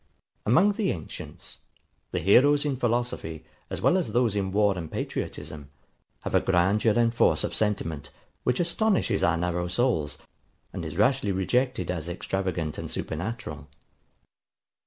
Among the ancients, the heroes in philosophy, as well as those in war and patriotism, have a grandeur and force of sentiment, which astonishes our narrow souls, and is rashly rejected as extravagant and supernatural.